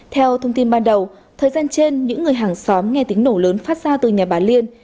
theo thông tin ban đầu thời gian trên những người hàng xóm nghe tiếng nổ lớn phát ra từ nhà bà liên